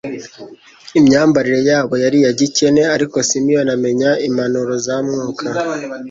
Imyambarire yabo yari iya gikene; ariko Simeyoni amenya impanuro za Mwuka,